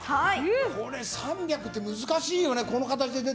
これ３００って難しいよね。